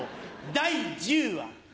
第１０話。